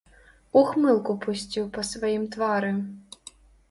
Ухмылку пусціў па сваім твары.